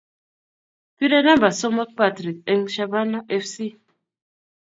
Pire nambai somok Patrick en shabana fc